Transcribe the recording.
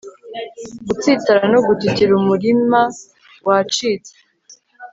Gutsitara no gutitira umurima wacitse